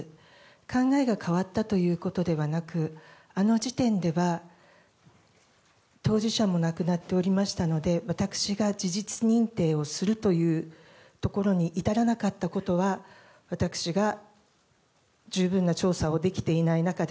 考えが変わったということではなくあの時点では、当事者も亡くなっておりましたので私が事実認定をするというところに至らなかったことは私が十分な調査をできていない中で